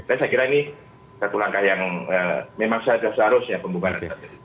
saya kira ini satu langkah yang memang seharusnya pembubaran